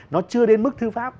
nó chưa đến mức thư pháp